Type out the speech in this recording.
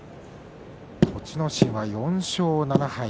栃ノ心、４勝７敗。